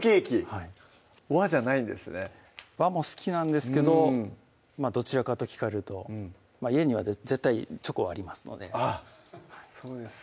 はい和じゃないんですね和も好きなんですけどどちらかと聞かれると家には絶対チョコありますのであっそうですか